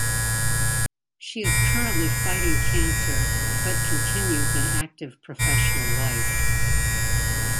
She is currently fighting cancer but continues an active professional life.